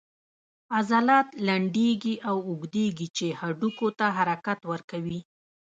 عضلات لنډیږي او اوږدیږي چې هډوکو ته حرکت ورکوي